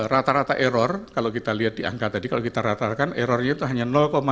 rata rata error kalau kita lihat di angka tadi kalau kita rata ratakan errornya itu hanya lima